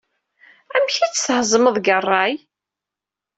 Amek i tt-thezmeḍ deg rray?